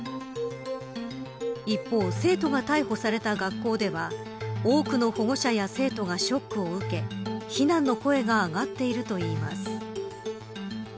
一方、生徒が逮捕された学校では多くの保護者や生徒がショックを受け非難の声が上がっているといいます。